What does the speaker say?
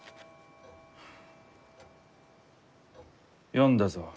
読んだぞ。